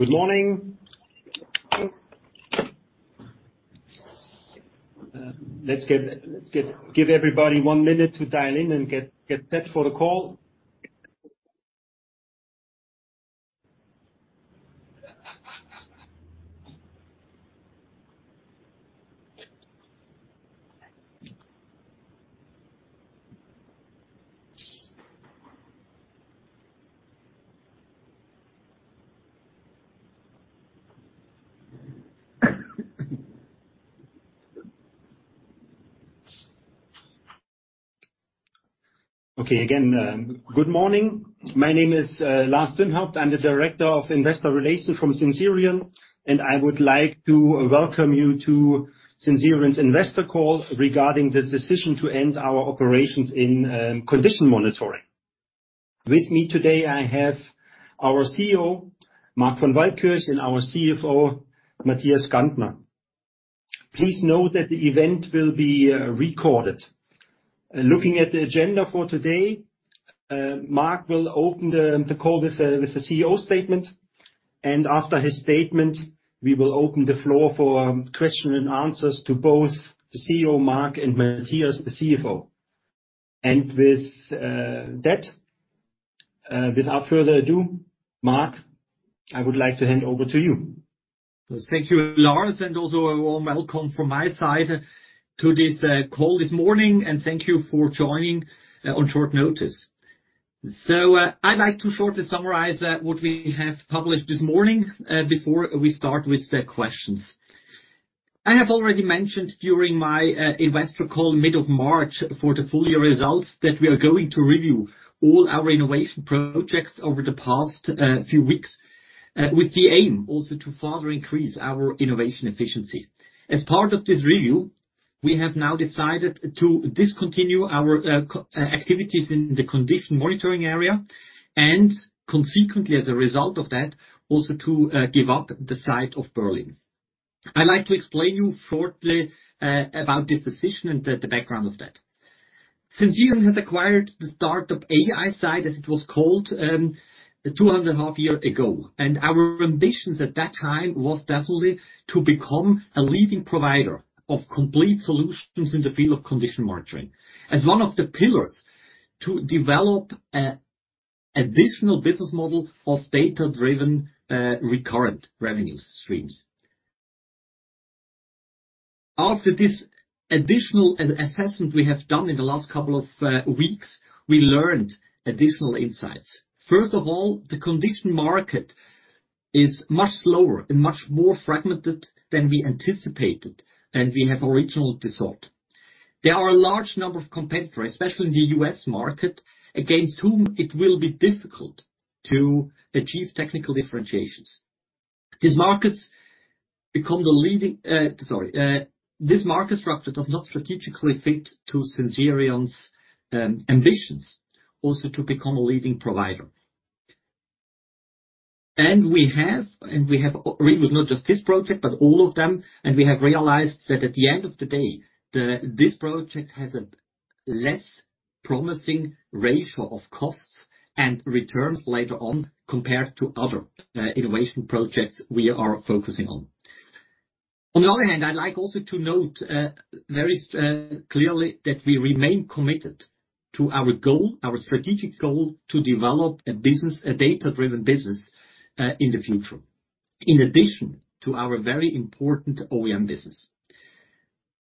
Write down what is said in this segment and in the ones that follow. Good morning. Let's give everybody one minute to dial in and get set for the call. Okay, again, good morning. My name is Lars Dünnhaupt. I'm the Director of Investor Relations from Sensirion, and I would like to welcome you to Sensirion's investor call regarding the decision to end our operations in condition monitoring. With me today, I have our CEO, Marc von Waldkirch, and our CFO, Matthias Gantner. Please note that the event will be recorded. Looking at the agenda for today, Marc will open the call with a CEO statement, and after his statement, we will open the floor for question and answers to both the CEO, Marc, and Matthias, the CFO. With that, without further ado, Marc, I would like to hand over to you. Thank you, Lars, and also a warm welcome from my side to this call this morning, and thank you for joining on short notice. So, I'd like to shortly summarize what we have published this morning before we start with the questions. I have already mentioned during my investor call mid of March for the full-year results, that we are going to review all our innovation projects over the past few weeks with the aim also to further increase our innovation efficiency. As part of this review, we have now decided to discontinue our activities in the condition monitoring area, and consequently, as a result of that, also to give up the site of Berlin. I'd like to explain you shortly about this decision and the background of that. Sensirion has acquired the startup AiSight, as it was called, 2.5 years ago, and our ambitions at that time was definitely to become a leading provider of complete solutions in the field of condition monitoring. As one of the pillars to develop an additional business model of data-driven, recurrent revenue streams. After this additional assessment we have done in the last couple of weeks, we learned additional insights. First of all, the condition market is much slower and much more fragmented than we anticipated, and we have originally thought. There are a large number of competitors, especially in the U.S. market, against whom it will be difficult to achieve technical differentiations. These markets become the leading... this market structure does not strategically fit to Sensirion's ambitions, also to become a leading provider. We have really not just this project, but all of them, and we have realized that at the end of the day, this project has a less promising ratio of costs and returns later on, compared to other innovation projects we are focusing on. On the other hand, I'd like also to note very clearly that we remain committed to our goal, our strategic goal, to develop a business, a data-driven business, in the future, in addition to our very important OEM business.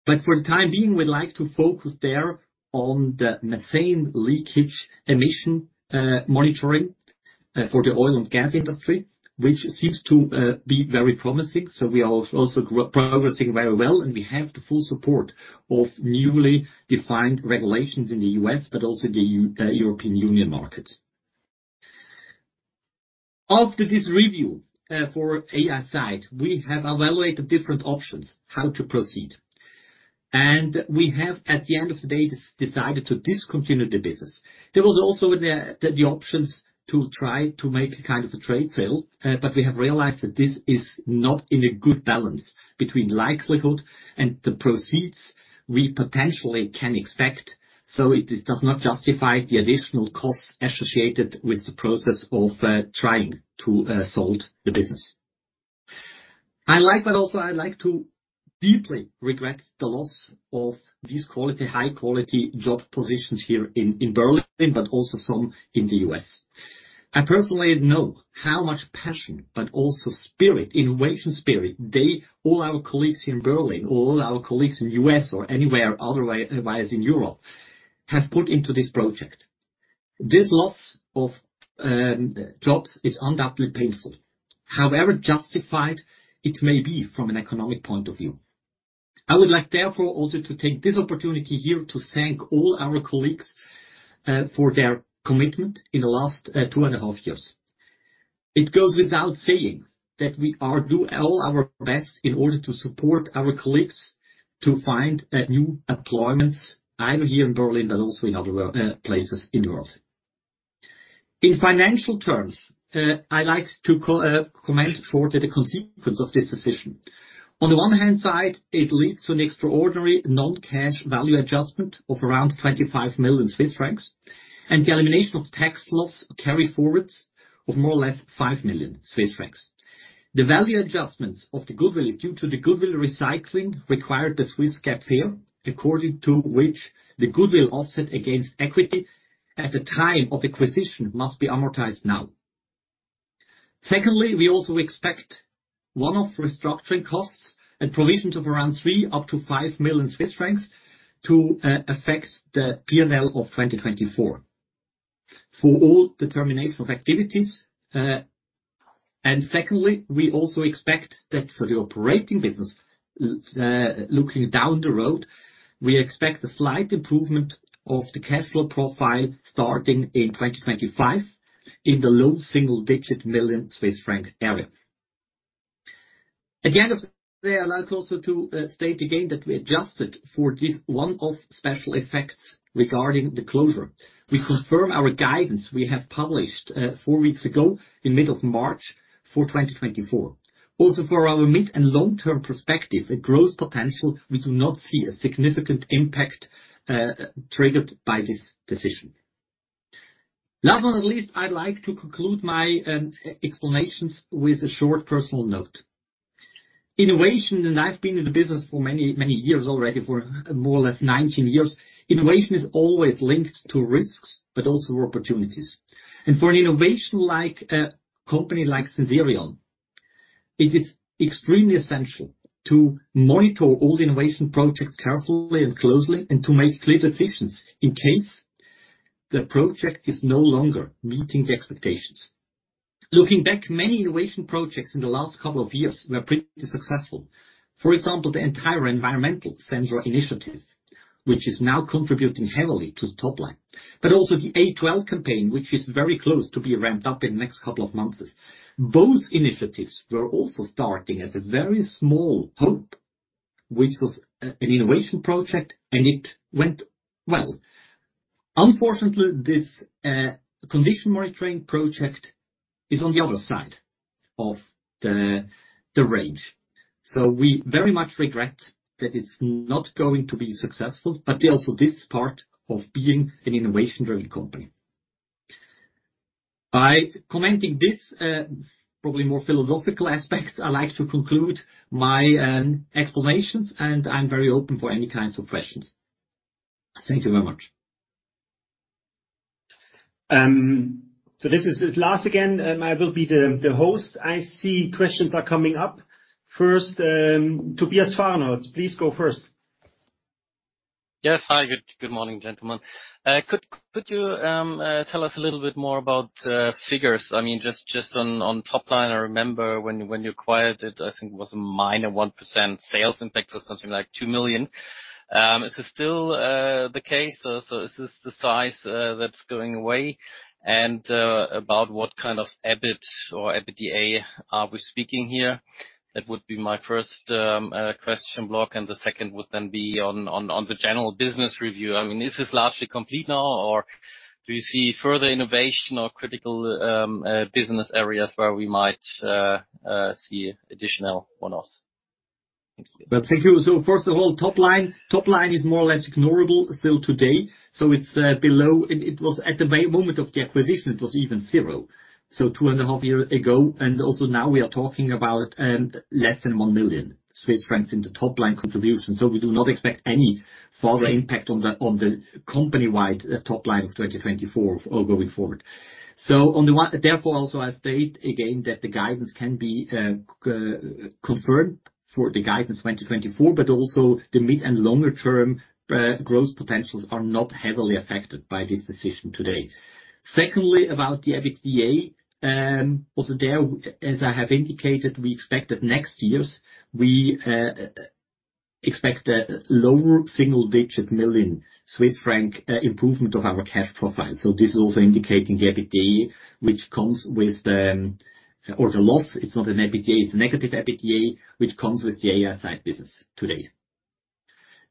But for the time being, we'd like to focus there on the methane emission monitoring for the oil and gas industry, which seems to be very promising. We are also progressing very well, and we have the full support of newly defined regulations in the US, but also the European Union market. After this review for AiSight, we have evaluated different options how to proceed, and we have, at the end of the day, decided to discontinue the business. There was also the options to try to make a kind of a trade sale, but we have realized that this is not in a good balance between likelihood and the proceeds we potentially can expect, so it does not justify the additional costs associated with the process of trying to sell the business. Alas, but also, I'd like to deeply regret the loss of these high-quality job positions here in Berlin, but also some in the US. I personally know how much passion, but also spirit, innovation spirit, they, all our colleagues here in Berlin, all our colleagues in US or anywhere otherwise, otherwise in Europe, have put into this project. This loss of jobs is undoubtedly painful, however justified it may be from an economic point of view. I would like, therefore, also to take this opportunity here to thank all our colleagues for their commitment in the last two and a half years. It goes without saying that we are do all our best in order to support our colleagues to find new employments, either here in Berlin, but also in other places in Europe. In financial terms, I'd like to comment for the consequence of this decision. On the one hand side, it leads to an extraordinary non-cash value adjustment of around 25 million Swiss francs, and the elimination of tax loss carryforwards of more or less 5 million Swiss francs. The value adjustments of the goodwill, due to the goodwill recycling, required the Swiss GAAP FER, according to which the goodwill offset against equity at the time of acquisition must be amortized now. Secondly, we also expect one-off restructuring costs and provision of around 3-5 million Swiss francs to affect the P&L of 2024. For all the termination of activities, and secondly, we also expect that for the operating business, looking down the road, we expect a slight improvement of the cash flow profile starting in 2025, in the low single-digit million CHF area. At the end of the day, I'd like also to state again that we adjusted for this one-off special effects regarding the closure. We confirm our guidance we have published four weeks ago in mid of March for 2024. Also, for our mid and long-term perspective, a growth potential, we do not see a significant impact triggered by this decision. Last but not least, I'd like to conclude my explanations with a short personal note. Innovation, and I've been in the business for many, many years already, for more or less 19 years. Innovation is always linked to risks, but also opportunities. And for an innovation like, company like Sensirion, it is extremely essential to monitor all innovation projects carefully and closely, and to make clear decisions in case the project is no longer meeting the expectations. Looking back, many innovation projects in the last couple of years were pretty successful. For example, the entire environmental sensor initiative, which is now contributing heavily to the top line. But also the A2L campaign, which is very close to being ramped up in the next couple of months. Both initiatives were also starting at a very small hope, which was, an innovation project, and it went well. Unfortunately, this, condition monitoring project is on the other side of the range. So we very much regret that it's not going to be successful, but also this is part of being an innovation-driven company. By commenting this, probably more philosophical aspect, I'd like to conclude my explanations, and I'm very open for any kinds of questions. Thank you very much. So this is Lars again. I will be the host. I see questions are coming up. First, Tobias Farrer, please go first. Yes. Hi, good morning, gentlemen. Could you tell us a little bit more about figures? I mean, just on top line, I remember when you acquired it, I think it was a minus 1% sales impact or something like 2 million. Is this still the case? So is this the size that's going away? And about what kind of EBIT or EBITDA are we speaking here? That would be my first question block, and the second would then be on the general business review. I mean, is this largely complete now, or do you see further innovation or critical business areas where we might see additional one-offs? Thank you. Well, thank you. So first of all, top line. Top line is more or less ignorable still today, so it's below. And it was at the moment of the acquisition, it was even zero, so two and a half years ago. And also now, we are talking about less than 1 million Swiss francs in the top line contribution. So we do not expect any further impact on the company-wide top line of 2024 or going forward. So therefore, also, I state again that the guidance can be confirmed for the guidance 2024, but also the mid and longer term growth potentials are not heavily affected by this decision today. Secondly, about the EBITDA, also there, as I have indicated, we expect that next years, we expect a lower single-digit million CHF improvement of our cash profile. So this is also indicating the EBITDA, which comes with the or the loss, it's not an EBITDA, it's a negative EBITDA, which comes with the AiSight business today.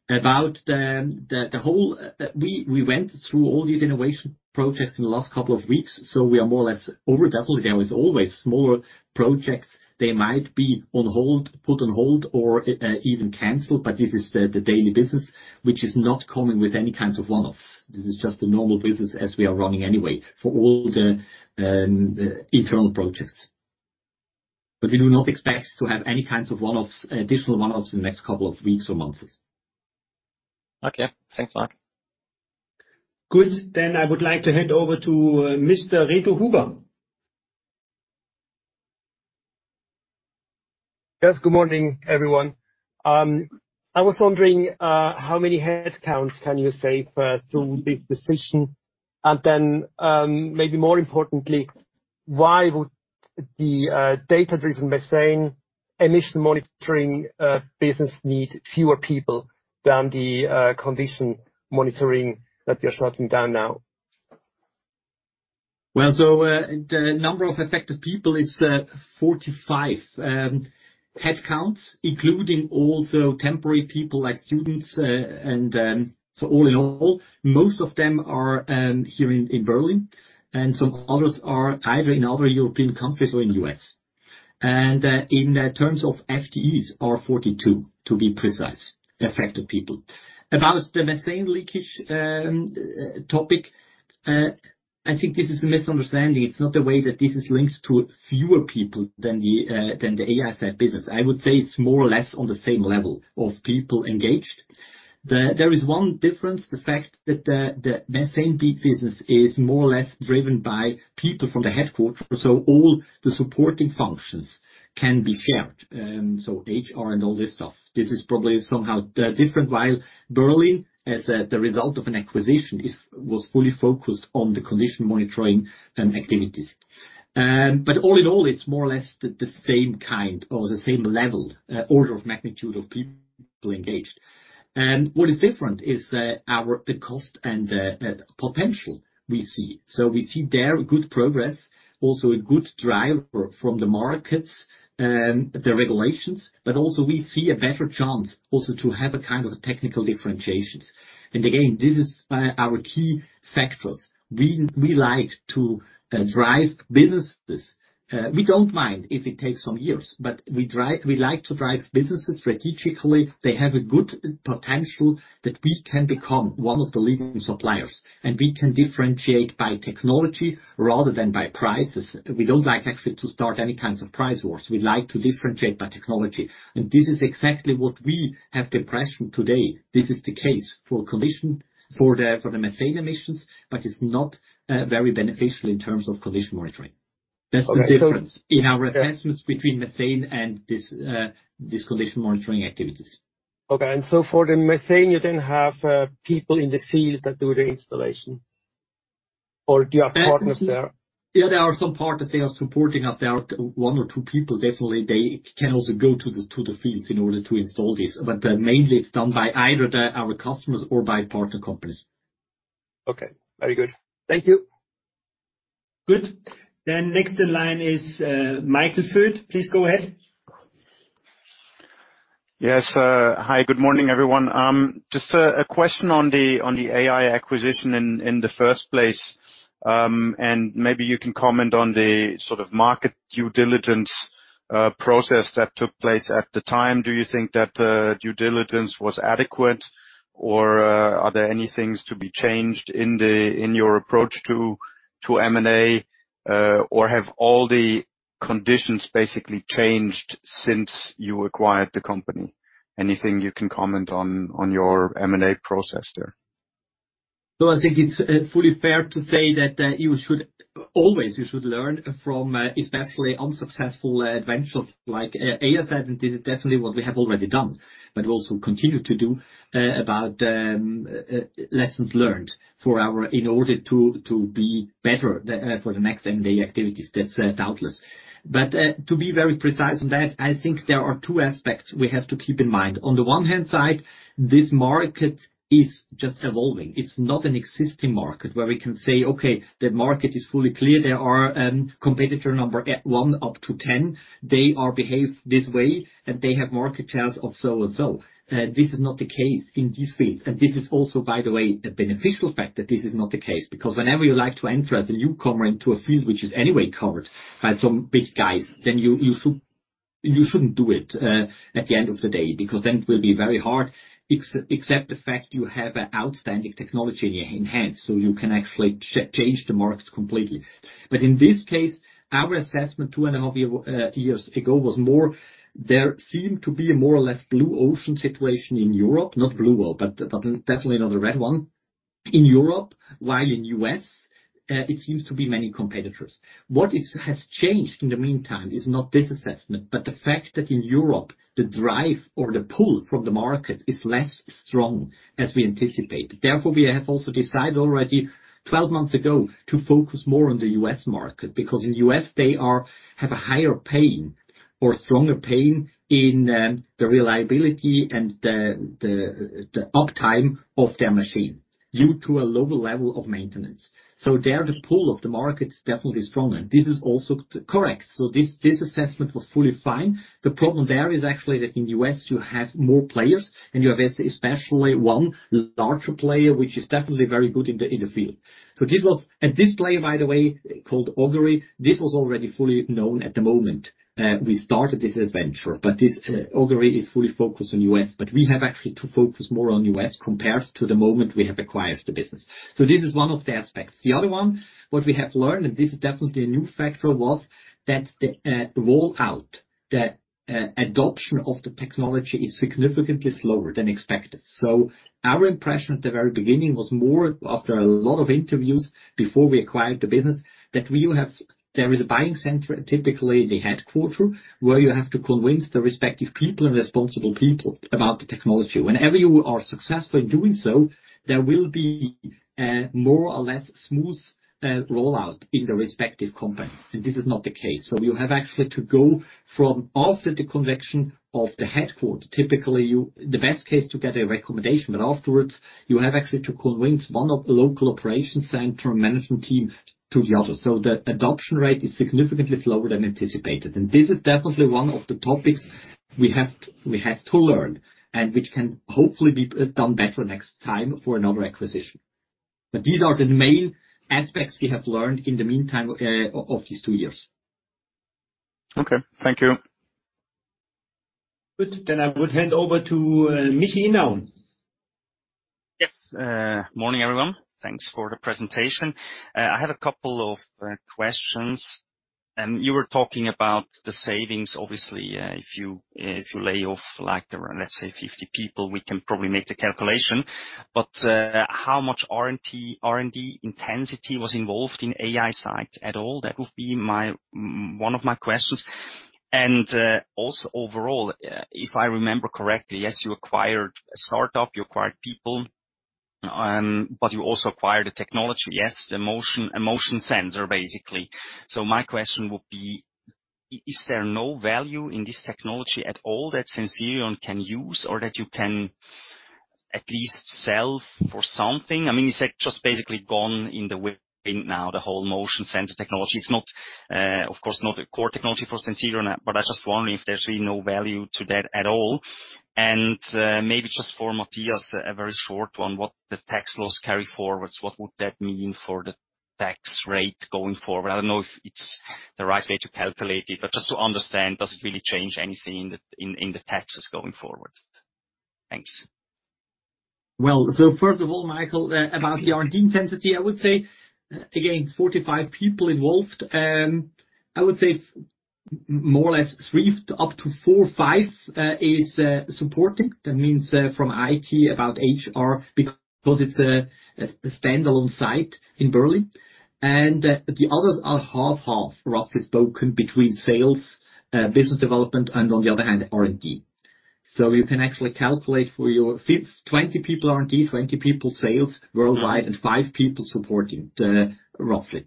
About the whole, we went through all these innovation projects in the last couple of weeks, so we are more or less overdoubled. There is always smaller projects. They might be on hold, put on hold, or even canceled, but this is the daily business, which is not coming with any kinds of one-offs. This is just the normal business as we are running anyway, for all the internal projects. But we do not expect to have any kinds of one-offs, additional one-offs in the next couple of weeks or months. Okay. Thanks a lot. Good. Then I would like to hand over to Mr. Rico Hoover. Yes, good morning, everyone. I was wondering, how many headcounts can you save through this decision? And then, maybe more importantly, why would the data-driven methane emission monitoring business need fewer people than the condition monitoring that you're shutting down now?... Well, so, the number of affected people is 45 headcounts, including also temporary people like students, and so all in all, most of them are here in Berlin, and some others are either in other European countries or in U.S. In terms of FTEs, are 42, to be precise, affected people. About the methane leakage topic, I think this is a misunderstanding. It's not the way that this is linked to fewer people than the AiSight business. I would say it's more or less on the same level of people engaged. There is one difference, the fact that the methane leak business is more or less driven by people from the headquarters, so all the supporting functions can be shared, so HR and all this stuff. This is probably somehow different, while Berlin, as the result of an acquisition, was fully focused on the condition monitoring activities. But all in all, it's more or less the same kind or the same level, order of magnitude of people engaged. And what is different is our the cost and the potential we see. So we see there good progress, also a good driver from the markets, the regulations, but also we see a better chance also to have a kind of technical differentiations. And again, this is our key factors. We like to drive businesses. We don't mind if it takes some years, but we like to drive businesses strategically. They have a good potential that we can become one of the leading suppliers, and we can differentiate by technology rather than by prices. We don't like actually to start any kinds of price wars. We like to differentiate by technology, and this is exactly what we have the impression today. This is the case for condition, for the methane emissions, but it's not very beneficial in terms of condition monitoring. That's the difference in our assessments between methane and this condition monitoring activities. Okay, and so for the methane, you then have people in the field that do the installation, or do you have partners there? Yeah, there are some partners. They are supporting us. There are one or two people, definitely, they can also go to the fields in order to install this, but mainly it's done by either our customers or by partner companies. Okay, very good. Thank you! Good. Then next in line is, Michael Foeth. Please go ahead. Yes, hi, good morning, everyone. Just a question on the AiSight acquisition in the first place, and maybe you can comment on the sort of market due diligence process that took place at the time. Do you think that due diligence was adequate, or are there any things to be changed in your approach to M&A, or have all the conditions basically changed since you acquired the company? Anything you can comment on your M&A process there? So I think it's fully fair to say that you should always learn from especially unsuccessful ventures like AiSight, and this is definitely what we have already done, but also continue to do about lessons learned for our in order to be better for the next M&A activities. That's doubtless. But to be very precise on that, I think there are two aspects we have to keep in mind. On the one hand side, this market is just evolving. It's not an existing market where we can say, "Okay, the market is fully clear. There are competitor number one up to 10. They are behaved this way, and they have market shares of so and so." This is not the case in this field, and this is also, by the way, a beneficial fact that this is not the case, because whenever you like to enter as a newcomer into a field which is anyway covered by some big guys, then you shouldn't do it, at the end of the day, because then it will be very hard, except the fact you have an outstanding technology in your hand, so you can actually change the market completely. But in this case, our assessment two and a half years ago was more, there seemed to be a more or less blue ocean situation in Europe, not blue all, but, but definitely not a red one, in Europe, while in U.S., it seems to be many competitors. What has changed in the meantime is not this assessment, but the fact that in Europe, the drive or the pull from the market is less strong as we anticipated. Therefore, we have also decided already 12 months ago to focus more on the U.S. market, because in the U.S., they are- have a higher pain or stronger pain in the reliability and the uptime of their machine, due to a lower level of maintenance. So there, the pull of the market is definitely stronger, and this is also correct. So this assessment was fully fine. The problem there is actually that in the U.S., you have more players, and you have especially one larger player, which is definitely very good in the field. So this was... And this player, by the way, called Augury, this was already fully known at the moment we started this adventure. But this Augury is fully focused on the U.S., but we have actually to focus more on the U.S. compared to the moment we have acquired the business. So this is one of the aspects. The other one, what we have learned, and this is definitely a new factor, was that the rollout, the adoption of the technology is significantly slower than expected. So our impression at the very beginning was more, after a lot of interviews, before we acquired the business, that we will have there is a buying center, typically the headquarters, where you have to convince the respective people and responsible people about the technology. Whenever you are successful in doing so, there will be, more or less smooth, rollout in the respective company, and this is not the case. So you have actually to go from after the connection of the headquarters, typically you the best case to get a recommendation, but afterwards, you have actually to convince one of the local operations center management team to the other. So the adoption rate is significantly slower than anticipated, and this is definitely one of the topics we have we have to learn, and which can hopefully be, done better next time for another acquisition. But these are the main aspects we have learned in the meantime, of these two years. Okay, thank you. Good. Then I would hand over to Michi Inaon. Yes, morning, everyone. Thanks for the presentation. I have a couple of questions. You were talking about the savings. Obviously, if you lay off like around, let's say, 50 people, we can probably make the calculation. But, how much R&D intensity was involved in AiSight at all? That would be one of my questions. And, also, overall, if I remember correctly, yes, you acquired a startup, you acquired people, but you also acquired a technology, yes, a motion sensor, basically. So my question would be: Is there no value in this technology at all that Sensirion can use or that you can at least sell for something? I mean, is that just basically gone in the wind now, the whole motion sensor technology? It's not, of course not a core technology for Sensirion, but I just wonder if there's really no value to that at all. Maybe just for Matthias, a very short one, what the tax loss carry forwards, what would that mean for the tax rate going forward? I don't know if it's the right way to calculate it, but just to understand, does it really change anything in the taxes going forward? Thanks. Well, so first of all, Michael, about the R&D intensity, I would say, again, it's 45 people involved. I would say more or less three-quarters up to four-fifths is supporting. That means, from IT, about HR, because it's a standalone site in Berlin. And the others are half and half, roughly spoken, between sales, business development, and on the other hand, R&D. So you can actually calculate for yourself. 20 people R&D, 20 people sales worldwide, and 5 people supporting, roughly.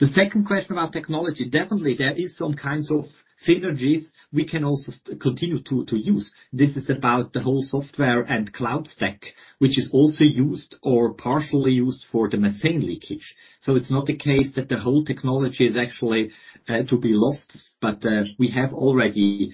The second question about technology, definitely there is some kinds of synergies we can also continue to use. This is about the whole software and cloud stack, which is also used or partially used for the methane leakage. So it's not the case that the whole technology is actually to be lost, but we have already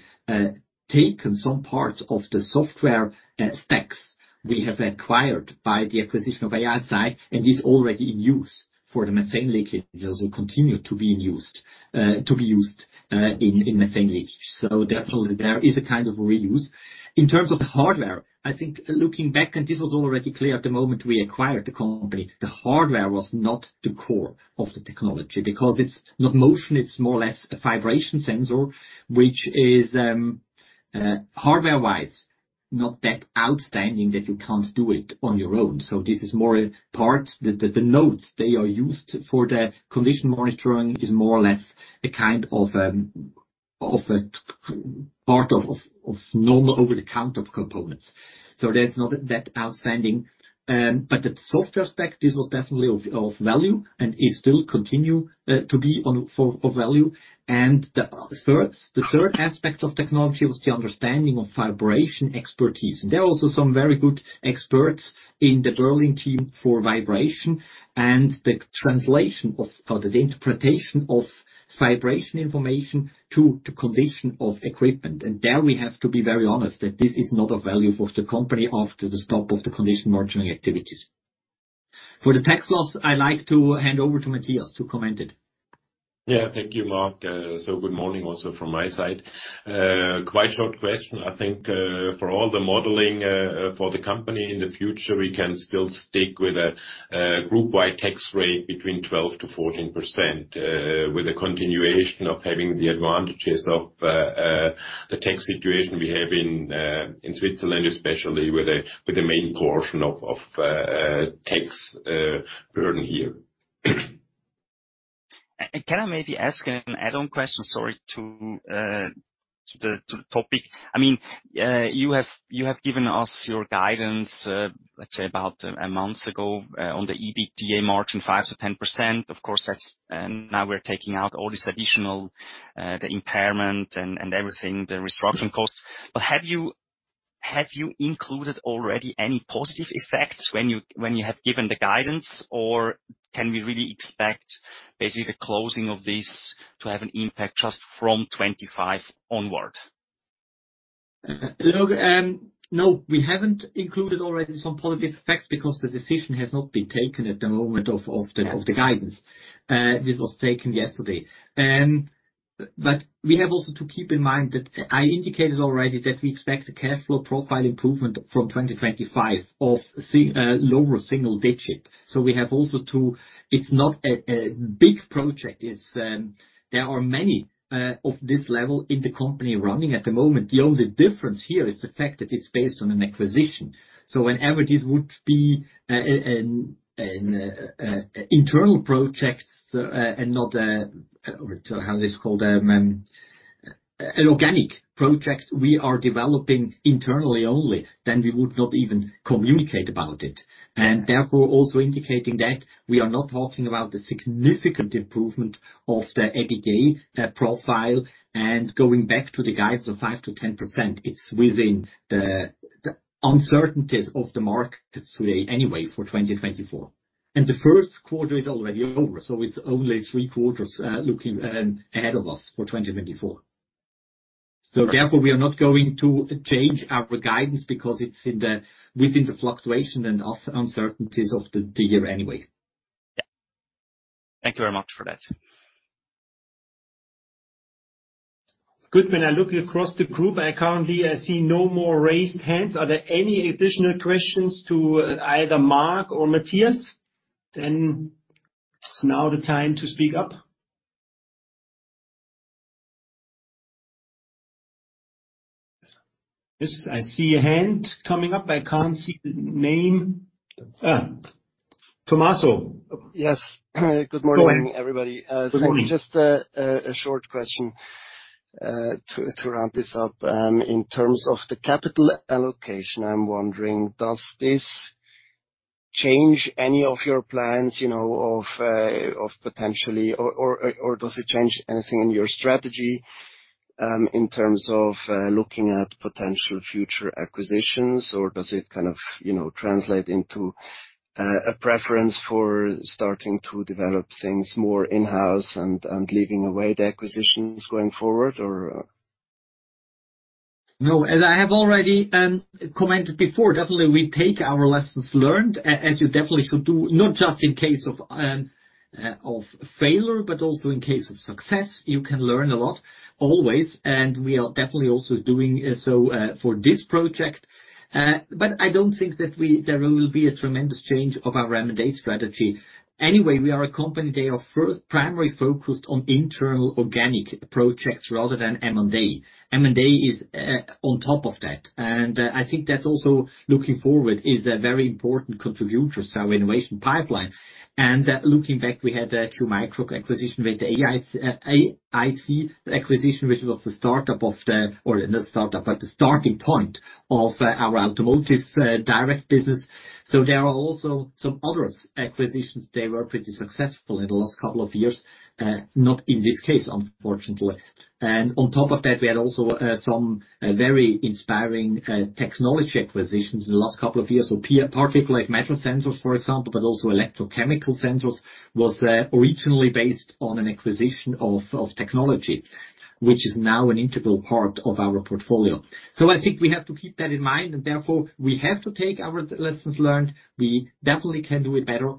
taken some parts of the software stacks we have acquired by the acquisition of AiSight, and is already in use for the methane leakage, and will continue to be in used to be used in methane leakage. So definitely there is a kind of reuse. In terms of the hardware, I think looking back, and this was already clear at the moment we acquired the company, the hardware was not the core of the technology, because it's not motion, it's more or less a vibration sensor, which is hardware-wise, not that outstanding that you can't do it on your own. So this is more a part, the notes they are used for the condition monitoring is more or less a kind of, of a part of normal over-the-counter components. So there's not that outstanding. But the software stack, this was definitely of value, and it still continue to be on for of value. And the third aspect of technology was the understanding of vibration expertise. And there are also some very good experts in the Berlin team for vibration and the translation of, or the interpretation of vibration information to the condition of equipment. And there, we have to be very honest, that this is not a value for the company after the stop of the condition monitoring activities. For the tax loss, I'd like to hand over to Matthias to comment it. Yeah. Thank you, Marc. So good morning also from my side. Quite short question. I think, for all the modeling, for the company in the future, we can still stick with a group-wide tax rate between 12%-14%, with a continuation of having the advantages of the tax situation we have in Switzerland, especially with the main portion of tax burden here. And can I maybe ask an add-on question, sorry, to the topic? I mean, you have given us your guidance, let's say about a month ago, on the EBITDA margin, 5%-10%. Of course, that's now we're taking out all this additional, the impairment and everything, the restructuring costs. But have you included already any positive effects when you have given the guidance, or can we really expect basically the closing of this to have an impact just from 2025 onward? Look, no, we haven't included already some positive effects because the decision has not been taken at the moment of the guidance. This was taken yesterday. But we have also to keep in mind that I indicated already that we expect a cash flow profile improvement from 2025 of single-digit lower. So we have also to. It's not a big project, it's, there are many of this level in the company running at the moment. The only difference here is the fact that it's based on an acquisition. So whenever this would be an internal project, and not a, or how this called, an organic project we are developing internally only, then we would not even communicate about it. Therefore, also indicating that we are not talking about the significant improvement of the EBITDA profile. Going back to the guides of 5%-10%, it's within the uncertainties of the markets today anyway for 2024. The first quarter is already over, so it's only three quarters looking ahead of us for 2024. Therefore, we are not going to change our guidance because it's within the fluctuation and uncertainties of the year anyway. Yeah. Thank you very much for that. Good. When I look across the group, I currently, I see no more raised hands. Are there any additional questions to either Marc or Matthias? Then it's now the time to speak up. Yes, I see a hand coming up. I can't see the name. Ah, Tommaso. Yes. Good morning, everybody. Good morning. Just a short question to round this up. In terms of the capital allocation, I'm wondering, does this change any of your plans, you know, of potentially or does it change anything in your strategy, in terms of looking at potential future acquisitions? Or does it kind of, you know, translate into a preference for starting to develop things more in-house and leaving away the acquisitions going forward, or...? No, as I have already commented before, definitely we take our lessons learned, as you definitely should do, not just in case of failure, but also in case of success. You can learn a lot, always, and we are definitely also doing so for this project. But I don't think that there will be a tremendous change of our M&A strategy. Anyway, we are a company that are first primarily focused on internal organic projects rather than M&A. M&A is on top of that, and I think that's also, looking forward, is a very important contributor to our innovation pipeline. And looking back, we had two micro acquisition with the AIC acquisition, which was the startup of the... or not startup, but the starting point of our automotive direct business. So there are also some other acquisitions that were pretty successful in the last couple of years, not in this case, unfortunately. And on top of that, we had also some very inspiring technology acquisitions in the last couple of years. So particulate matter sensors, for example, but also electrochemical sensors, was originally based on an acquisition of technology, which is now an integral part of our portfolio. So I think we have to keep that in mind, and therefore, we have to take our lessons learned. We definitely can do it better.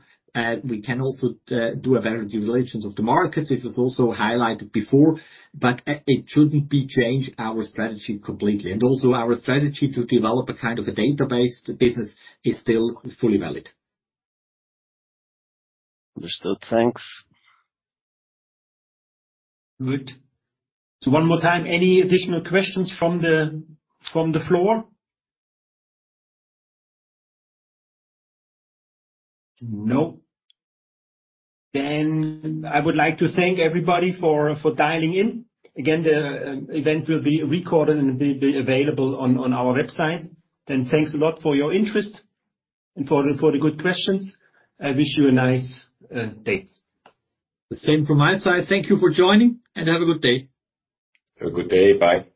We can also do a better due diligence of the market, which was also highlighted before, but it shouldn't be changed our strategy completely. And also, our strategy to develop a kind of a database, the business is still fully valid. Understood. Thanks. Good. So one more time, any additional questions from the floor? No. Then I would like to thank everybody for dialing in. Again, the event will be recorded and will be available on our website. Then thanks a lot for your interest and for the good questions. I wish you a nice day. The same from my side. Thank you for joining, and have a good day. Have a good day. Bye.